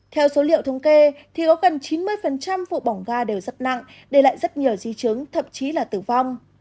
theo số liệu thống kê thì có gần chín mươi vụ bỏng ga đều rất nặng để lại rất nhiều di chứng thậm chí là tử vong